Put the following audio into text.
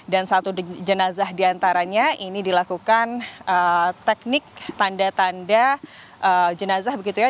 dan satu jenazah diantaranya ini dilakukan teknik tanda tanda jenazah begitu ya